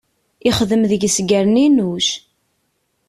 Ixdem deg-s gerninuc.